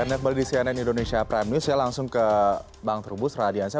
anda kembali di cnn indonesia prime news ya langsung ke bang terubus radiansya